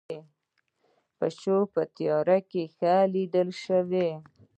پیشو په تیاره کې ښه لیدلی شي